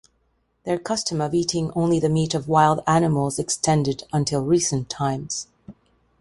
Their custom of eating only the meat of wild animals extended until recent times.